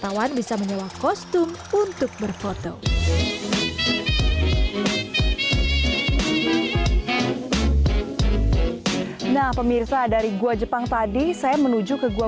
tawan bisa menyewa kostum untuk berfoto nah pemirsa dari gua jepang tadi saya menuju ke gua